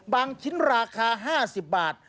ชิ้นราคา๕๐บาท